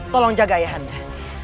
tolong jaga ayah anda